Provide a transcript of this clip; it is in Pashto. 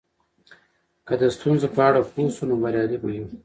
که د ستونزو په اړه پوه سو نو بریالي به یو.